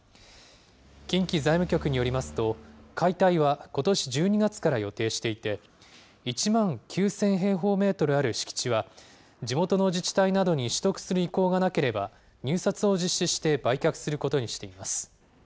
近畿財務局によりますと、解体は、ことし１２月から予定していて、１万９０００平方メートルある敷地は、地元の自治体などに取得する意向がなければ、入札を実施して売却することにしています。